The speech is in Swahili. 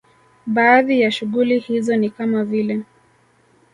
Baadhi ya shughuli hizo ni kama vile